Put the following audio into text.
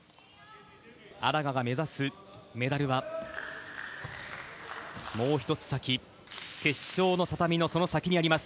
荒賀が目指すメダルはもう一つ先、決勝の畳のその先にあります。